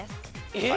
えっ？